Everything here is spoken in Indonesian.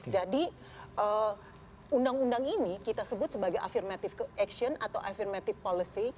jadi undang undang ini kita sebut sebagai affirmative action atau affirmative policy